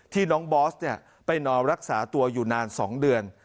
น้องบอสไปนอนรักษาตัวอยู่นาน๒เดือน